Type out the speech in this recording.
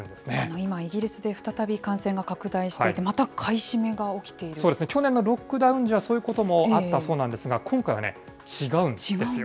今、イギリスで再び感染が拡大していて、また買い占めが起きそうですね、去年のロックダウン時はそういうこともあったそうなんですが、今回はね、違うんですよ。